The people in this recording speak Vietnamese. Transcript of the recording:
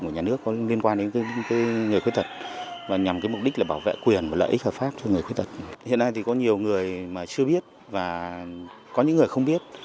nhiều người mà chưa biết và có những người không biết